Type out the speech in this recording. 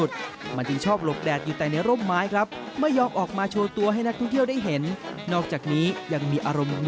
แต่ที่จังหวัดราชบุรีอันนี้ไม่ต้องบังคับเลยนะครับ